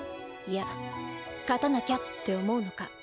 いや勝たなきゃって思うのか。